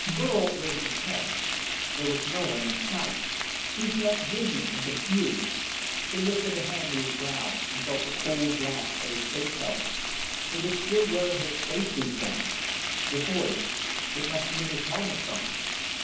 Burl raised his head. There was no one in sight. He felt dizzy and confused. He lifted a hand to his brow, and felt the cold glass of his space helmet. He was still wearing his space suit then. The voice it must be in his helmet phone.